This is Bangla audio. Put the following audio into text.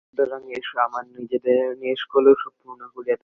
সুতরাং এস, আমরা নিজেদের নিষ্কলুষ ও পূর্ণ করিয়া তুলি।